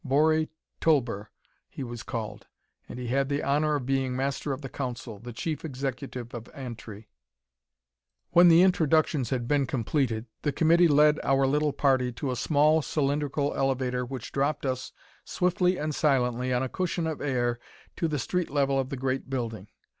Bori Tulber, he was called, and he had the honor of being master of the Council the chief executive of Antri. When the introductions had been completed, the committee led our little party to a small, cylindrical elevator which dropped us, swiftly and silently, on a cushion of air, to the street level of the great building.